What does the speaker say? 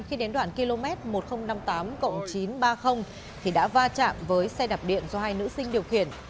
khi đến đoạn km một nghìn năm mươi tám chín trăm ba mươi thì đã va chạm với xe đạp điện do hai nữ sinh điều khiển